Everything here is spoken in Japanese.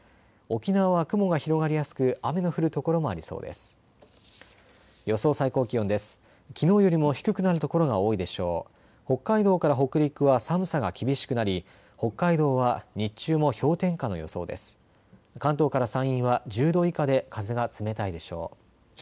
沖縄は雲が広がりやすく雨の降る所もありそうです。